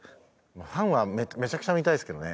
ファンはめちゃくちゃ見たいですけどね。